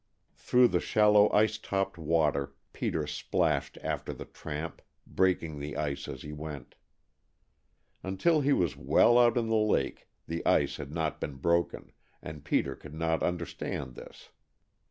Through the shallow ice topped water Peter splashed after the tramp, breaking the ice as he went. Until he was well out in the lake the ice had not been broken, and Peter could not understand this.